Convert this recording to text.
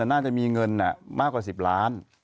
น่าจะมีเงินมากกว่า๑๐ล้าน